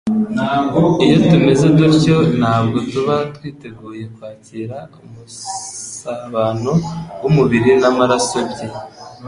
Iyo tumeze dutyo ntabwo tuba twiteguye kwakira umusabano w'umubiri n'amaraso bye.